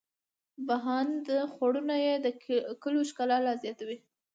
بهاند خوړونه یې د کلیو ښکلا لا زیاتوي.